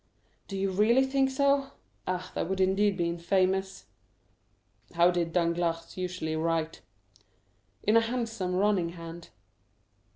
"Do you really think so? Ah, that would indeed be infamous." "How did Danglars usually write?" "In a handsome, running hand."